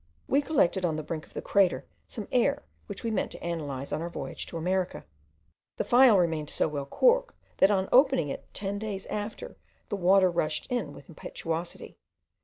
We collected on the brink of the crater, some air which we meant to analyse on our voyage to America. The phial remained so well corked, that on opening it ten days after, the water rushed in with impetuosity.